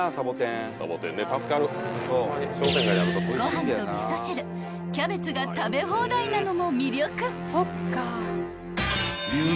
［ご飯と味噌汁キャベツが食べ放題なのも魅力］